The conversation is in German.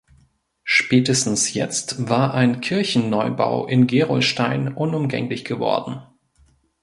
Spätestens jetzt war ein Kirchenneubau in Gerolstein unumgänglich geworden.